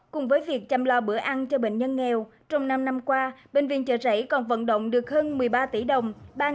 cùng với việc chăm lo bữa ăn cho bệnh nhân nghèo trong năm năm qua bệnh viện chợ rẫy còn vận động được hơn một mươi ba tỷ đồng